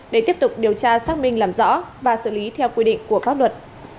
để tiếp tục điều tra xác minh làm rõ và xử lý theo quy định của pháp luật